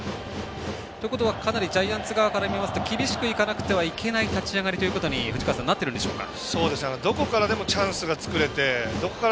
ジャイアンツ側から見ますと厳しくいかないといけない立ち上がりに藤川さん、なっているでしょうか。